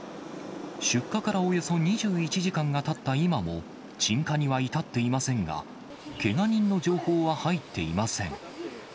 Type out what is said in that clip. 出火からおよそ２１時間がたった今も鎮火には至っていませんが、けが人の情報は入っていません。